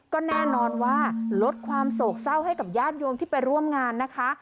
ก็แน่นอนว่าลดความโศกเศร้าให้กับญาติโยมที่ไปร่วมงานนะคะ